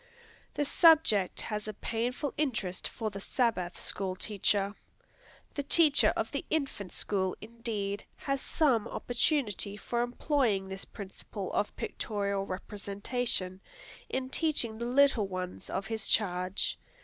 The subject has a painful interest for the Sabbath School Teacher. The teacher of the infant school, indeed, has some opportunity for employing this principle of pictorial representation, in teaching the little ones of his charge.